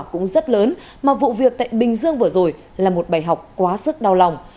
cũng rất lớn mà vụ việc tại bình dương vừa rồi là một bài học quá sức đau lòng